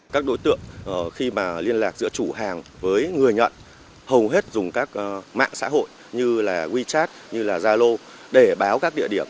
các đối tượng khi mà liên lạc giữa chủ hàng với người nhận hầu hết dùng các mạng xã hội như là wechat như là zalo để báo các địa điểm